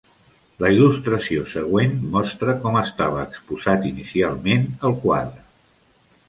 La il·lustració següent mostra com estava exposat inicialment el quadre.